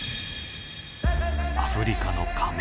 アフリカの仮面。